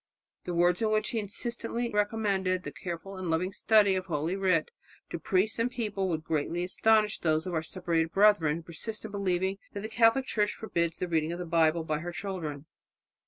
The words in which he insistently recommended the careful and loving study of Holy Writ to priests and people would greatly astonish those of our separated brethren who persist in believing that the Catholic Church forbids the reading of the Bible by her children.